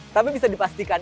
tapi bisa dipastikan